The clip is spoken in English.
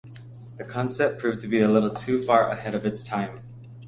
The concept proved to be a little too far ahead of its time.